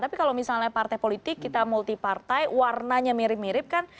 tapi kalau misalnya partai politik kita multi partai warnanya mirip mirip kan